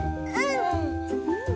うん！